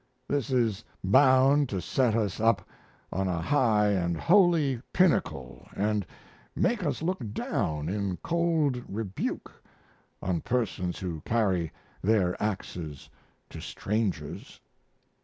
This is bound to set us up on a high and holy pinnacle and make us look down in cold rebuke on persons who carry their axes to strangers.